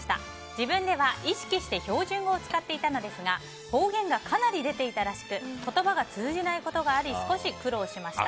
自分では、意識して標準語を使っていたのですが方言がかなり出ていたらしく言葉が通じないことがあり少し苦労しました。